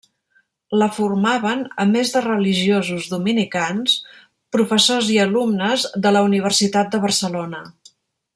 La formaven, a més de religiosos dominicans, professors i alumnes de la Universitat de Barcelona.